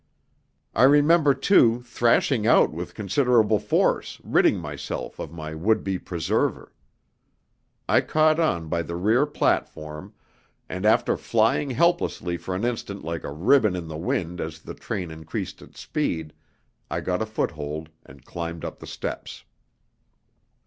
I remember, too, thrashing out with considerable force, ridding myself of my would be preserver. I caught on by the rear platform, and after flying helplessly for an instant like a ribbon in the wind as the train increased its speed, I got a foothold and climbed up the steps.